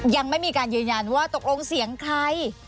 ยังไม่มีการยืนยันว่าตกลงเสียงใคร